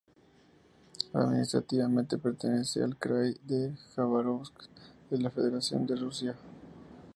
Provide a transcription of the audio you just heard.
Administrativamente pertenece al krai de Jabárovsk de la Federación de Rusia.